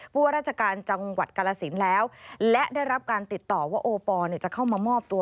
ว่าราชการจังหวัดกาลสินแล้วและได้รับการติดต่อว่าโอปอลจะเข้ามามอบตัว